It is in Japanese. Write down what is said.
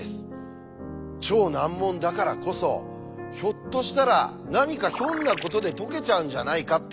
超難問だからこそひょっとしたら何かひょんなことで解けちゃうんじゃないかって。